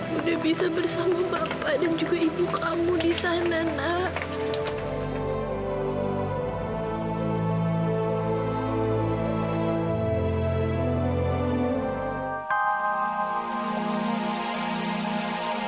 sudah bisa bersama bapak dan juga ibu kamu di sana nak